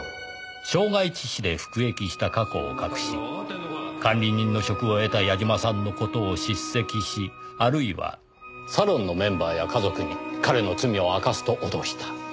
傷害致死で服役した過去を隠し管理人の職を得た矢嶋さんの事を叱責しあるいはサロンのメンバーや家族に彼の罪を明かすと脅した。